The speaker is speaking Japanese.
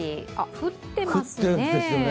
降ってますね。